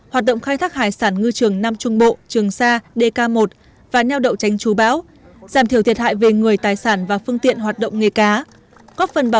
hoạt động khai thác hải sản ngư trường nam trung bộ trường sa dk một và neo đậu tránh chú bão giảm thiểu thiệt hại về người tài sản và phương tiện hoạt động nghề cá